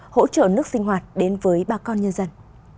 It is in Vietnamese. hỗ trợ nước sinh hoạt đến với bà con nhân dân